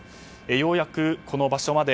ようやく、この場所まで